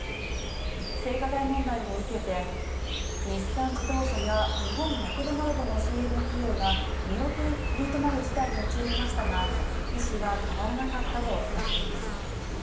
性加害問題を受けて日産自動車や日本マクドナルドのＣＭ起用が見送りとなる事態に陥りましたが意思は変わらなかったと伝えています。